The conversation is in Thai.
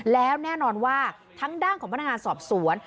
แล้วแน่นอนว่าทั้งด้านของพนักงานสอบสวน